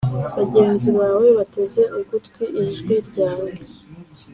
bagenzi bawe bateze ugutwi ijwi ryawe,